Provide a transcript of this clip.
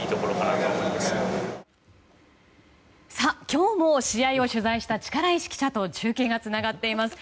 今日も試合を取材した力石記者と中継がつながっています。